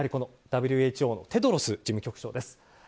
ＷＨＯのテドロス事務局長です。